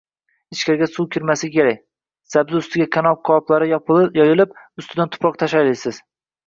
Ichkariga suv kirmasligi kerak. Sabzi ustiga kanop qoplarni yoyib, ustidan tuproq tashlaysiz.